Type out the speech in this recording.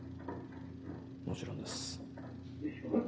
もちろんです。